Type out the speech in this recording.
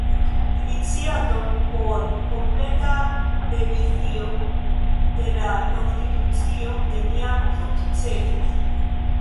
Iniciato por kompleta revizio de la konstitucio neniam sukcesis.